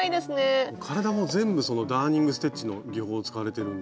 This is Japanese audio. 体も全部そのダーニングステッチの技法使われてるんで。